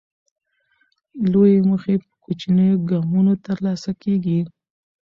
لویې موخې په کوچنیو ګامونو ترلاسه کېږي.